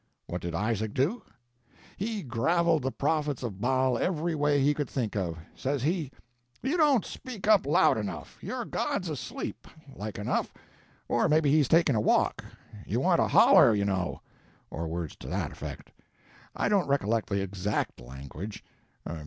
What did Isaac do? He graveled the prophets of Baal every way he could think of. Says he, 'You don't speak up loud enough; your god's asleep, like enough, or maybe he's taking a walk; you want to holler, you know' or words to that effect; I don't recollect the exact language.